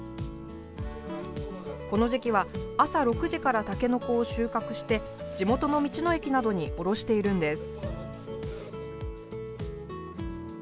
この時期は朝６時からたけのこを収穫して地元の道の駅などに卸しているんです。